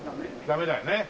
ダメだよね。